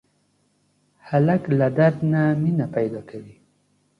هلک له درد نه مینه پیدا کوي.